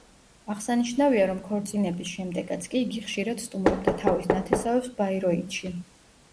აღსანიშნავია, რომ ქორწინების შემდეგაც კი, იგი ხშირად სტუმრობდა თავის ნათესავებს ბაიროითში.